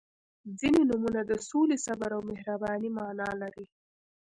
• ځینې نومونه د سولې، صبر او مهربانۍ معنا لري.